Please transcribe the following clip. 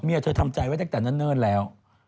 เมียเธอทำใจไว้แต่เนิ่นแล้ว